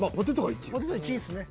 ポテト１位っすね。